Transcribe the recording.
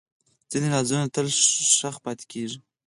ځینې رازونه تل ښخ پاتې کېږي.